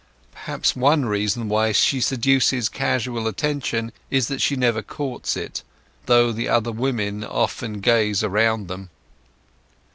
Perhaps one reason why she seduces casual attention is that she never courts it, though the other women often gaze around them.